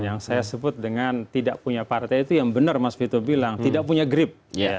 yang saya sebut dengan tidak punya partai itu yang benar mas vito bilang tidak punya grip